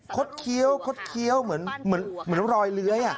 ดเคี้ยวคดเคี้ยวเหมือนรอยเลื้อย